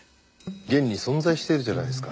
現に存在しているじゃないですか。